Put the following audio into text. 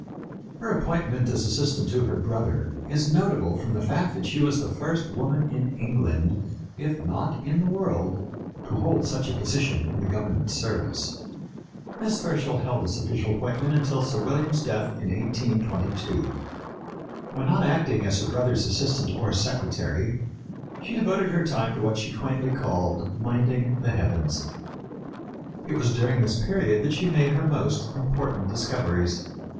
Her appointment as assistant to her brother is notable from the fact that she was the first woman in England, if not in the world, to hold such a position in the government service. Miss Herschel held this official appointment until Sir William's death in 1822. When not acting as her brother's assistant or secretary, she devoted her time to what she quaintly called "minding the heavens." It was during this period that she made her most important discoveries.